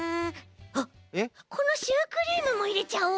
あっこのシュークリームもいれちゃおう。